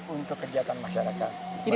untuk kegiatan masyarakat